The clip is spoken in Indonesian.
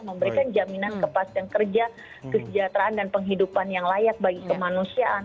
memberikan jaminan kepastian kerja kesejahteraan dan penghidupan yang layak bagi kemanusiaan